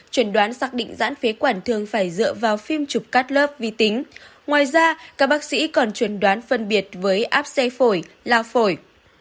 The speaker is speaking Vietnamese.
các bác sĩ sẽ phải dựa vào phim chụp cắt lớp vi tính ngoài ra các bác sĩ còn chuẩn đoán phân biệt với áp xe phổi lao phổi